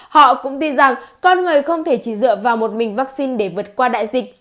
họ cũng tin rằng con người không thể chỉ dựa vào một mình vaccine để vượt qua đại dịch